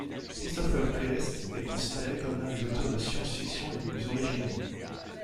Christopher Priest est considéré comme l’un des auteurs de science-fiction les plus originaux.